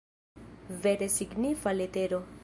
Vere signifa letero!